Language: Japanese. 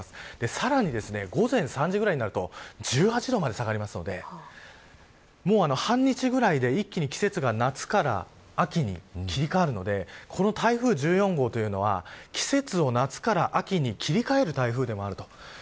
さらに午前３時ぐらいになると１８度くらい下がるのでもう半日ぐらいで一気に季節が夏から秋に切り替わるのでこの台風１４号というのは季節を夏から秋に切り替える台風でもあると。